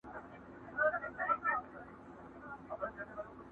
ستیوري به تسخیر کړمه راکړي خدای وزري دي،